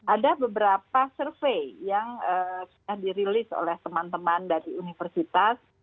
ada beberapa survei yang sudah dirilis oleh teman teman dari universitas